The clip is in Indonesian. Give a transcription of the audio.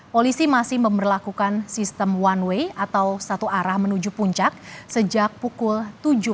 polisi masih memperlakukan sistem one way atau satu arah menuju puncak sejak pukul tujuh belas